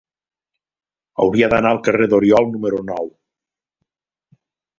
Hauria d'anar al carrer d'Oriol número nou.